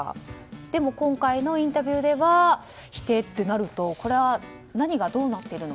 でも今回のインタビューでは否定となるとこれは何がどうなっているのか。